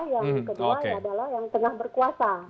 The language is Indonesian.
yang kedua adalah yang tengah berkuasa